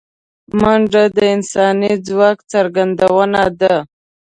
منډه د انساني ځواک څرګندونه ده